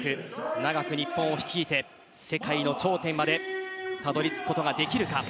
長く日本を率いて世界の頂点までたどり着くことができるか。